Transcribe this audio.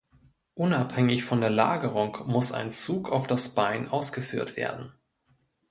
Unabhängig von der Lagerung muss ein Zug auf das Bein ausgeführt werden.